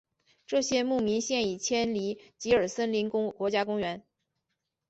这些牧民现已迁离吉尔森林国家公园。